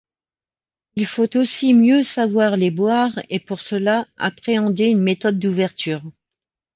Il faut aussi mieux savoir les boire et pour cela appréhender une méthode d'ouverture.